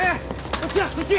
こっちやこっち。